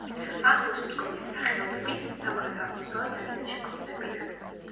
ახლოს მდგომი სახეობები სამხრეთ-აღმოსავლეთ აზიაში გვხვდებიან.